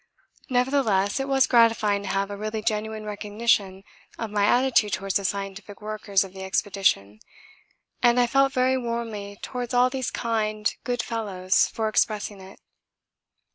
Nevertheless it was gratifying to have a really genuine recognition of my attitude towards the scientific workers of the Expedition, and I felt very warmly towards all these kind, good fellows for expressing it.